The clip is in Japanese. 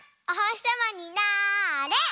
おほしさまになれ！